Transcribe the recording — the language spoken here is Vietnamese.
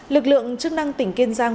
lực lượng chức năng tỉnh kiên giang